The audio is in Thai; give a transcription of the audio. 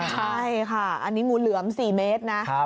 ใช่ค่ะอันนี้งูเหลือม๔เมตรนะ